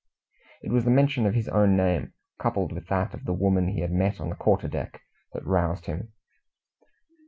It was the mention of his own name, coupled with that of the woman he had met on the quarter deck, that roused him.